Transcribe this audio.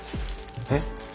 えっ？